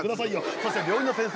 そして病院の先生